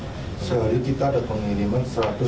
dan suatu hari itu ada depan nomor yang di belas